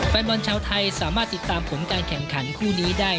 แฟนบอลชาวไทยสามารถติดตามผลการแข่งขันคู่นี้ได้